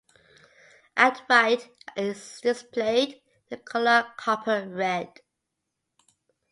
At right is displayed the color copper red.